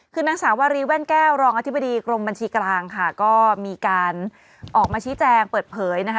คือนางสาวารีแว่นแก้วรองอธิบดีกรมบัญชีกลางค่ะก็มีการออกมาชี้แจงเปิดเผยนะคะ